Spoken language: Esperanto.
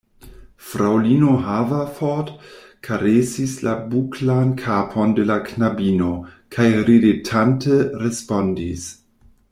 Fraŭlino Haverford karesis la buklan kapon de la knabino, kaj ridetante respondis: